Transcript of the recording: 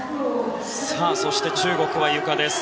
そして中国のゆかです。